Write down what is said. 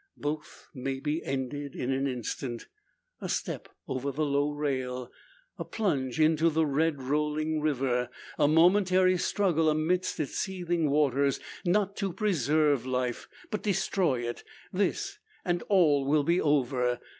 Both may be ended in an instant. A step over the low rail a plunge into the red rolling river a momentary struggle amidst its seething waters not to preserve life, but destroy it this, and all will be over!